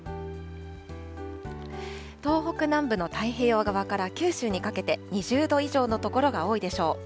東北南部の太平洋側から九州にかけて、２０度以上の所が多いでしょう。